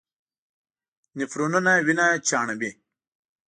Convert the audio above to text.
نفرونونه وینه چاڼوي.